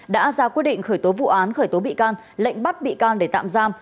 đã ra quyết định khởi tố vụ án khởi tố bị can lệnh bắt bị can để tạm giam